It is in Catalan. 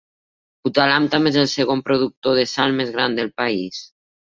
Puttalam també és el segon productor de sal més gran del país.